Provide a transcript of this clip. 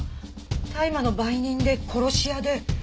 大麻の売人で殺し屋で。